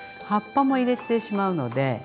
葉っぱも入れてしまうので。